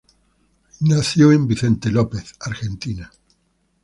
Nació en Vicente López, Argentina.